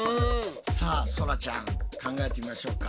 さあそらちゃん考えてみましょうか。